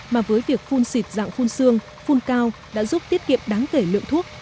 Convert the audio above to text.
mà với việc phun xịt dạng phun xương phun cao đã giúp tiết kiệm đáng kể lượng thuốc